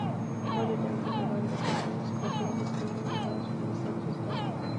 Molly dances around the assassin, causing discordant noise to blare from the sound system.